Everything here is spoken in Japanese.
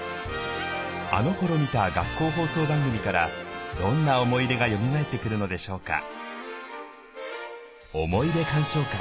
あのころ見た学校放送番組からどんな思い出がよみがえってくるのでしょうか。